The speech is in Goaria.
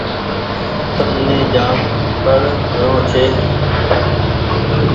تمني جآم پڙڻو ڇي۔